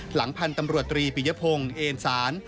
หลังพันธ์ตำรวจตรีปิยพงศ์เอ็นศาล